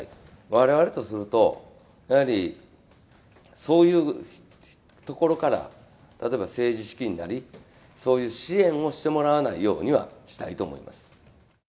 われわれとすると、やはりそういうところから、例えば政治資金なり、そういう支援をしてもらわないようにはしたいと思います。